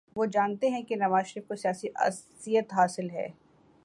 وہ جانتے ہیں کہ نواز شریف کو سیاسی عصبیت حاصل ہے۔